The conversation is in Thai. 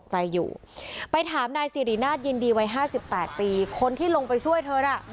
หลายห้าสิบแปดปีคนที่ลงไปช่วยเถอะน่ะ